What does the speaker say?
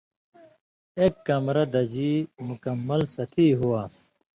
ایک کمرہ دژی مُکمل ستی ہووان٘س